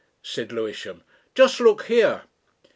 said Lewisham; "just look here!"